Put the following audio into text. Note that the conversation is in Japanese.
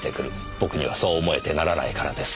僕にはそう思えてならないからです。